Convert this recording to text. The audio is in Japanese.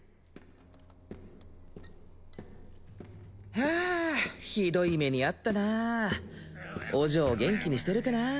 はあひどい目に遭ったなお嬢元気にしてるかな？